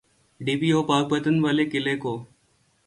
D P O Pakpattan والے واقعے کو۔